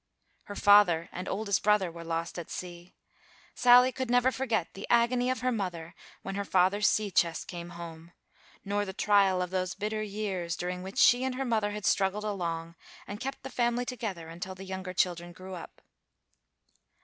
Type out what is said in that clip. Her father and oldest brother were lost at sea. Sally could never forget the agony of her mother when her father's sea chest came home, nor the trial of those bitter years, during which she and her mother had struggled along, and kept the family together until the younger children grew up.